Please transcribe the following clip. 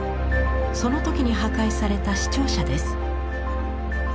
その時に破壊された市庁舎です。